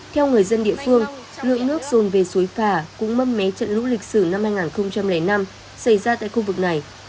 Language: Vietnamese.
theo người dân địa phương lượng nước rồn về suối phà cũng mâm mé trận lũ lịch sử năm hai nghìn năm xảy ra tại khu vực này